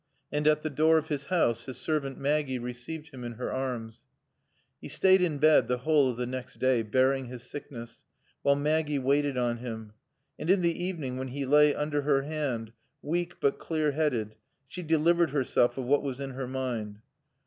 And at the door of his house his servant Maggie received him in her arms. He stayed in bed the whole of the next day, bearing his sickness, while Maggie waited on him. And in the evening when he lay under her hand, weak, but clear headed, she delivered herself of what was in her mind.